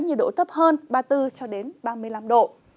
nhiệt độ thấp hơn ba mươi bốn cho đến ba mươi năm độ